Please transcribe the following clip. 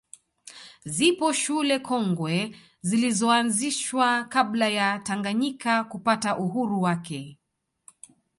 Zipo shule kongwe zilizoanzishwa kabla ya Tanganyika kupata uhuru wake